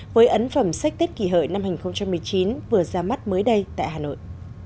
với ấn phẩm sách tết kỷ hợi năm hai nghìn một mươi chín vừa ra mắt mới đây tại hà nội